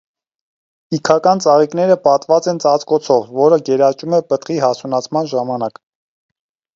Իգական ծաղիկները պատված են ծածկոցով, որը գերաճում է պտղի հասունացման ժամանակ։